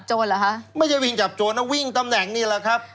เหรอคะไม่ใช่วิ่งจับโจรนะวิ่งตำแหน่งนี่แหละครับ